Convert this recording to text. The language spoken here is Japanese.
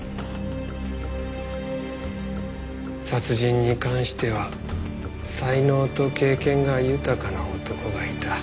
殺人に関しては才能と経験が豊かな男がいた。